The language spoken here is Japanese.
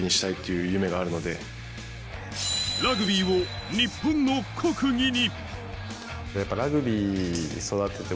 ラグビーを日本の国技に。